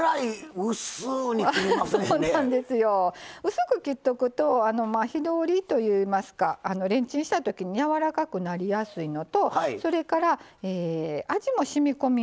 薄く切っておくと火通りといいますかレンチンしたときにやわらかくなりやすいのとそれから味もしみこみやすい。